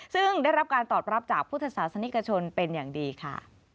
ซึ่งได้รับการตอบรับจากพุทธศาสนิกชนเป็นอย่างดีค่ะ